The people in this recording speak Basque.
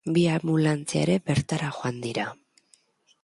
Bi anbulantzia ere bertara joan dira.